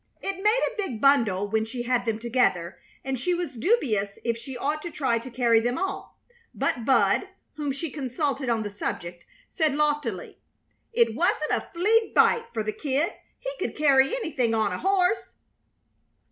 It made a big bundle when she had them together, and she was dubious if she ought to try to carry them all; but Bud, whom she consulted on the subject, said, loftily, it "wasn't a flea bite for the Kid; he could carry anything on a horse."